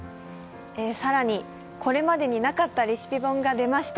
更に、これまでになかったレシピ本が出ました。